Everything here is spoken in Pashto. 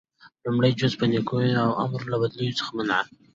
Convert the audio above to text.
لومړی جز - په نيکيو امر او له بديو څخه منع: